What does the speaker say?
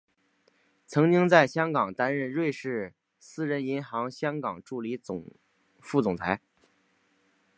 曾经在香港担任瑞士私人银行香港助理副总裁。